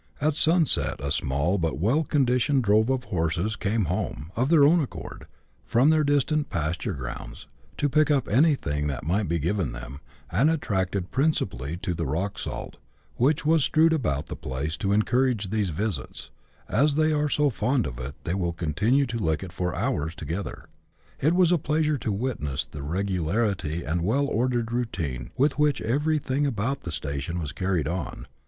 At sunset a small but well conditioned drove of horses came home, of their own accord, from their distant pasture grounds, to pick up anything that might be given them, and attracted principally by the rock salt, which was strewed about the place to encourage these visits, as they are so fond of it that they will continue to lick it for hours together. It was a pleasure to witness the regularity and well ordered routine with which everything about the station was carried on.